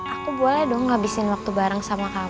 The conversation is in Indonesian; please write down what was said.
aku boleh dong ngabisin waktu bareng sama kamu